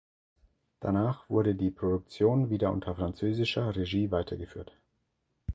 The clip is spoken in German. Danach wurde die Produktion wieder unter französischer Regie weitergeführt.